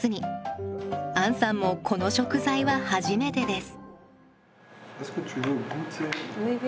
杏さんもこの食材は初めてです。